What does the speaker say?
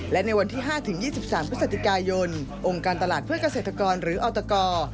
และในวันที่๕๒๓พฤศจิกายนองค์การตลาดเพื่อเกษตรกรหรือออตก